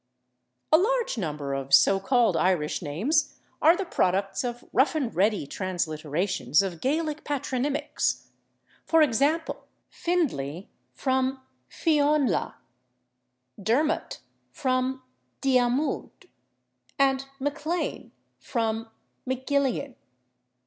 A large number of so called Irish names are the products of rough and ready transliterations of Gaelic patronymics, for example, /Findlay/ from /Fionnlagh/, /Dermott/ from /Diarmuid/, and /McLane/ from /Mac Illeathiain